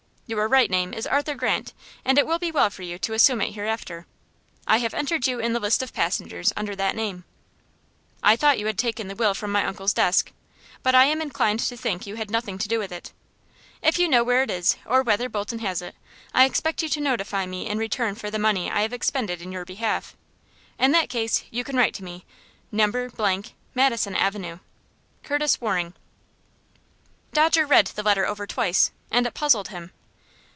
Your right name is Arthur Grant, and it will be well for you to assume it hereafter. I have entered you in the list of passengers under that name. "I thought you had taken the will from my uncle's desk, but I am inclined to think you had nothing to do with it. If you know where it is, or whether Bolton has it, I expect you to notify me in return for the money I have expended in your behalf. In that case you can write to me, No. Madison Avenue. "Curtis Waring." Dodger read the letter over twice, and it puzzled him.